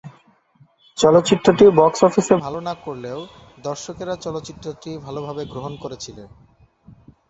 চলচ্চিত্রটি বক্স অফিসে ভাল না করলেও দর্শকেরা চলচ্চিত্রটি ভালভাবে গ্রহণ করেছিল।